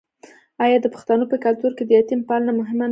آیا د پښتنو په کلتور کې د یتیم پالنه مهمه نه ده؟